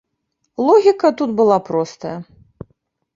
Логіка тут была простая.